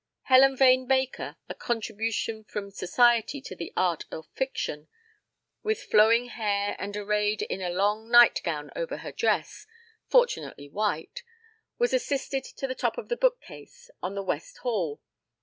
Helen Vane Baker, a contribution from Society to the art of fiction, with flowing hair and arrayed in a long nightgown over her dress, fortunately white, was assisted to the top of the bookcase on the west wall.